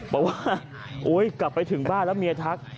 บอกว่าโอ๊ยกลับไปถึงบ้านแล้วเมียทัก